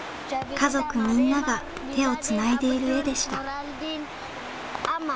家族みんなが手をつないでいる絵でした。